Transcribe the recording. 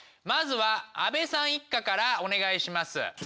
まずは安部さん一家からお願いします！